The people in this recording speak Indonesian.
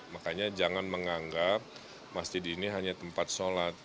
makanya jangan menganggap masjid ini hanya tempat sholat